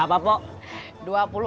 sampai jumpa di video selanjutnya